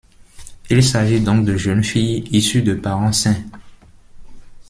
Il s'agit donc de jeunes filles issues de parents sains.